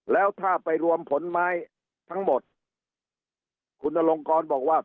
แล้วถ้าไปรวมผลไม้ทั้งหมดคุณอลงกรบอกว่า